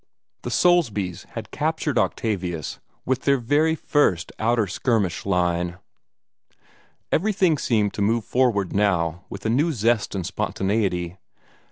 The Soulsbys had captured Octavius with their first outer skirmish line. Everything seemed to move forward now with a new zest and spontaneity.